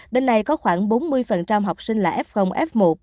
đến nay có khoảng bốn mươi học sinh là f f một